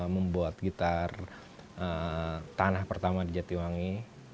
membuat gitar tanah pertama di jatiwangi